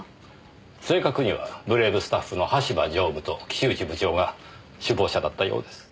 正確にはブレイブスタッフの橋場常務と岸内部長が首謀者だったようです。